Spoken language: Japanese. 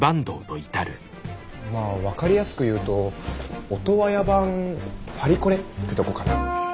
まあ分かりやすく言うとオトワヤ版パリコレってとこかな。